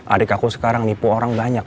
adik aku sekarang nipu orang banyak